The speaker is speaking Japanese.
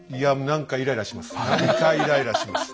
何かイライラします。